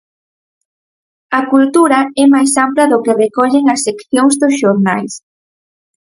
A cultura é máis ampla do que recollen as seccións dos xornais.